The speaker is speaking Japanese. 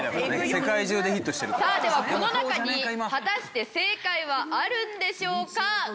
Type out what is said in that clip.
さあではこの中に果たして正解はあるんでしょうか？